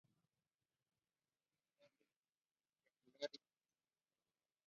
Las hojas son grandes con limbo triangular y peciolo corto.